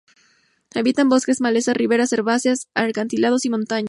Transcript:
Habita en bosques, maleza, riberas herbáceas, acantilados y montañas.